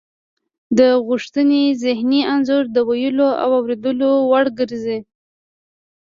د غوښتنې ذهني انځور د ویلو او اوریدلو وړ ګرځي